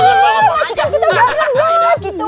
wajikan kita jangan lupa gitu